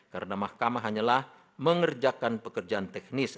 karena mahkamah hanyalah mengerjakan pekerjaan teknis